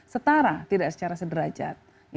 setara tidak secara sederajat